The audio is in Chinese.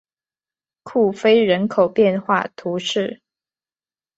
库菲人口变化图示